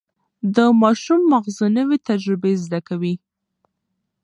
د ماشوم ماغزه نوي تجربې زده کوي.